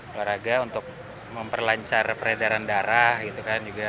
olahraga untuk memperlancar peredaran darah gitu kan juga